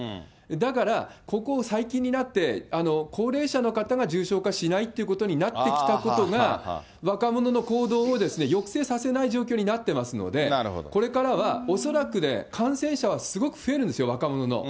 だからここ最近になって、高齢者の方が重症化しないということになってきたことが、若者の行動を抑制させない状況になってますので、これからは、恐らく感染者はすごく増えるんですよ、若者の。